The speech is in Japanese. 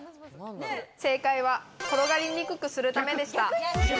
正解は、転がりにくくするためでした。